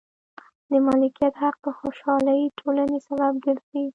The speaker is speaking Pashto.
د مالکیت حق د خوشحالې ټولنې سبب ګرځي.